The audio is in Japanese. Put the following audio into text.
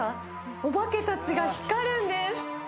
お化けたちが光るんです。